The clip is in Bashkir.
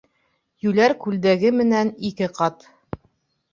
Йүләр күлдәге менән ике ҡат.